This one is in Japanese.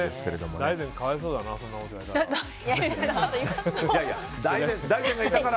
大然、可哀想だなそんなこと言われたら。